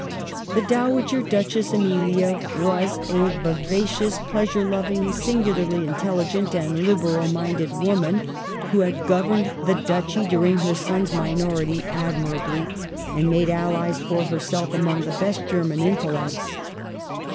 The Dowager Duchess Amelia was a vivacious, pleasure loving, singularly intelligent, and.liberal minded woman, who had governed the duchy dur ing her son's minority admirably, and made allies for herself among the best German intellects.